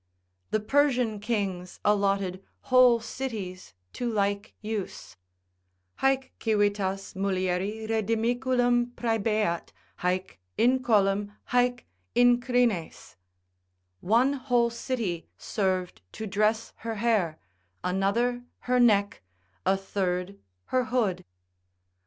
The Persian kings allotted whole cities to like use, haec civitas mulieri redimiculum praebeat, haec in collum, haec in crines, one whole city served to dress her hair, another her neck, a third her hood.